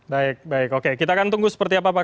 baik baik oke kita akan tunggu seperti apa pak